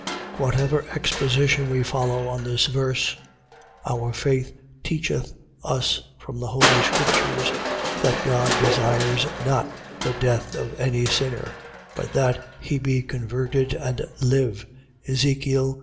Whatever exposition we follow on this verse, our faith teacheth us from the holy scriptures, that God desires not the death of any sinner, but that he be converted and live, Ezech.